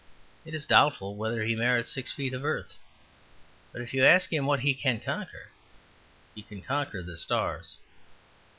It is doubtful whether he merits six feet of earth. But if you ask him what he can conquer he can conquer the stars.